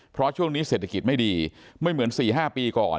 เพราะช่วงนี้เศรษฐกิจไม่ดีไม่เหมือน๔๕ปีก่อน